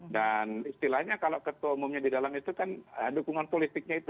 dan istilahnya kalau ketua umumnya di dalam itu kan dukungan politiknya itu